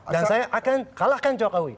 dan saya akan kalahkan jokowi